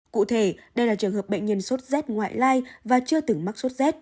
cụ thể đây là trường hợp bệnh nhân sốt rét ngoại lai và chưa từng mắc sốt z